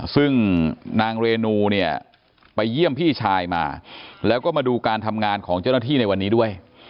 ซึ่งนางเรนูเนี่ยไปเยี่ยมพี่ชายมาแล้วก็มาดูการทำงานของเจ้าหน้าที่ในวันนี้ด้วย